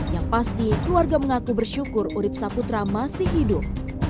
yang pasti keluarga mengaku bersyukur urib saputra masih hidup